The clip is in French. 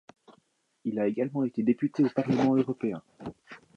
Il a également été député au Parlement européen.